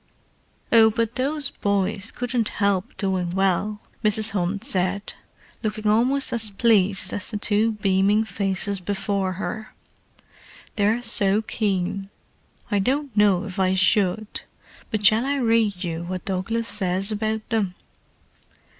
"Oh, but those boys couldn't help doing well," Mrs. Hunt said, looking almost as pleased as the two beaming faces before her. "They're so keen. I don't know if I should, but shall I read you what Douglas says about them?"